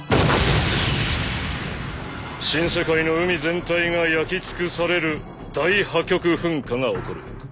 新世界の海全体が焼き尽くされる大破局噴火が起こる。